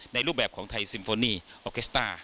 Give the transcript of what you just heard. รูปแบบของไทยซิมโฟนีออเคสต้า